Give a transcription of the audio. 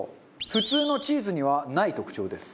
普通のチーズにはない特徴です。